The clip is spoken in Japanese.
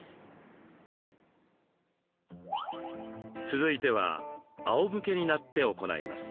続いてはあおむけになって行います。